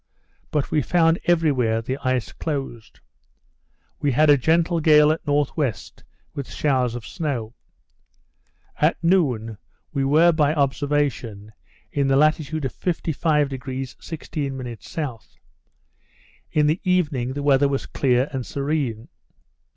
But we found every where the ice closed. We had a gentle gale at N.W. with showers of snow. At noon we were, by observation, in the latitude of 55° 16' S. In the evening the weather was clear and serene.